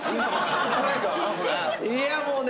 いやもうね。